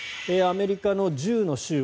アメリカの１０の州